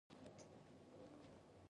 آیا د ایران دښتي پیشو نایابه نه ده؟